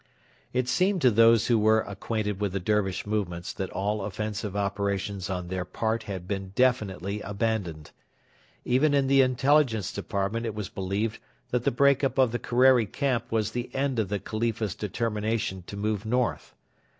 It seemed to those who were acquainted with the Dervish movements that all offensive operations on their part had been definitely abandoned. Even in the Intelligence Department it was believed that the break up of the Kerreri camp was the end of the Khalifa's determination to move north.